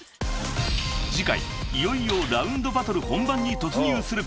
［次回いよいよラウンドバトル本番に突入するＫａｒｉｍ］